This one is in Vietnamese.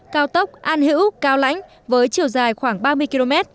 cao tốc an hữu cao lãnh với chiều dài khoảng ba mươi km